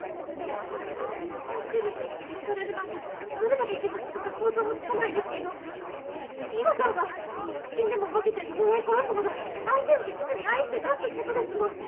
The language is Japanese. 愛してる人に殺されるなんてどれだけ傷つくか想像もつかないですけど伊和さんは死んでも化けて呪い殺すほど相手を一途に愛してたって事ですもん。